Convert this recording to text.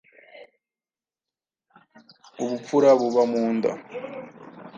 Ubupfura buba mu nda”.